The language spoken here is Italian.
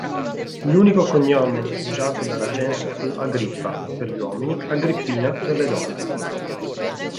L'unico cognomen usato dalla gens fu "Agrippa" per gli uomini, "Agrippina" per le donne.